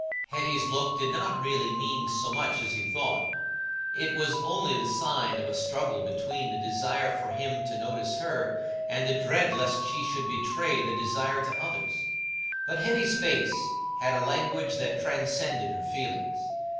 Hetty's look did not really mean so much as he thought: it was only the sign of a struggle between the desire for him to notice her and the dread lest she should betray the desire to others. But Hetty's face had a language that transcended her feelings.